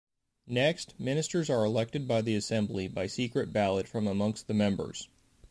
Next, Ministers are elected by the Assembly, by secret ballot, from amongst the Members.